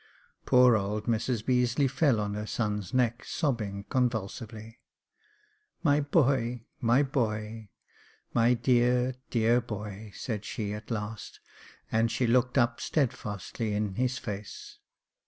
Poor old Mrs Beazely fell on her son's neck, sobbing convulsively. " My boy — my boy — my dear, dear boy !" said she at last, and she looked up stedfastly in his face.